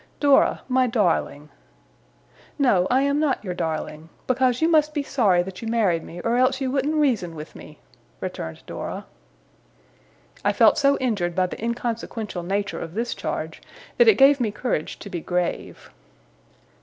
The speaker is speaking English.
'Dora, my darling!' 'No, I am not your darling. Because you must be sorry that you married me, or else you wouldn't reason with me!' returned Dora. I felt so injured by the inconsequential nature of this charge, that it gave me courage to be grave.